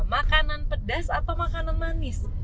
makanan pedas atau makanan manis